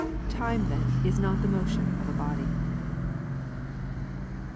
Time then is not the motion of a body.